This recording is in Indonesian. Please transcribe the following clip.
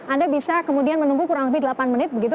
anda bisa kemudian menunggu kurang lebih delapan menit begitu